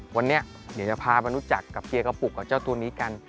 วันนี้เดี๋ยวจะพามารู้จักกับเกียร์กระปุกกับเจ้าตัวนี้กัน